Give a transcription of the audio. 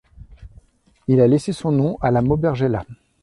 Il a laissé son nom à la Mobergella.